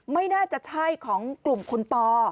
ไม่น่าจะใช่ของกลุ่มคุณปอ